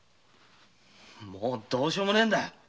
もうどうしようもないんだ！